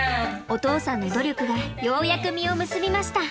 お父さんの努力がようやく実を結びました。